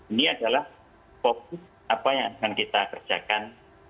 ini adalah fokus apa yang akan kita kerjakan